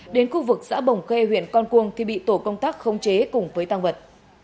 đến khu vực xã bồng kê huyện con cuồng khi bị tổ công tác không chế cùng với tăng vật